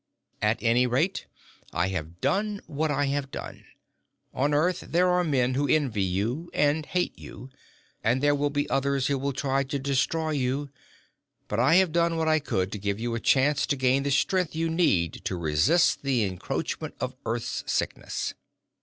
At any rate, I have done what I have done. On Earth, there are men who envy you and hate you, and there will be others who will try to destroy you, but I have done what I could to give you a chance to gain the strength you need to resist the encroachment of Earth's sickness.